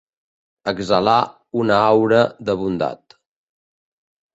Exhalar una aura de bondat.